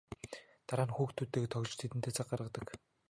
Дараа нь хүүхдүүдтэйгээ тоглож тэдэндээ цаг гаргадаг.